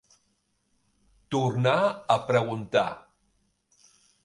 Tornar a preguntar.